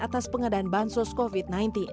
atas pengadaan bansos covid sembilan belas